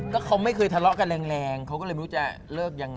ก็เขาไม่เคยทะเลาะกันแรงเขาก็เลยไม่รู้จะเลิกยังไง